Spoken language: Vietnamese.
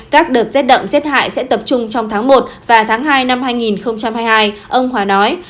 các đợt rét đậm rét hại sẽ tập trung trong tháng một và tháng hai năm hai nghìn hai mươi hai ông hòa nói